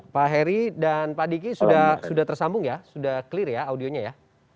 pak heri dan pak diki sudah tersambung ya sudah clear ya audionya ya